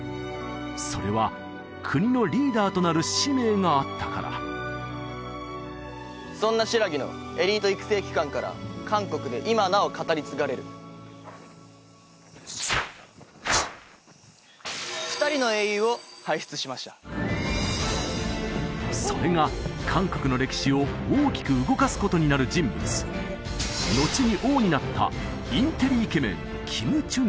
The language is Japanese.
それは国のリーダーとなる使命があったからそんな新羅のエリート育成機関から韓国で今なお語り継がれる２人の英雄を輩出しましたそれが韓国の歴史を大きく動かすことになる人物のちに王になったインテリイケメンキム・チュン